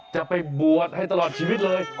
จะไปบวชให้ตลอดชีวิตเลย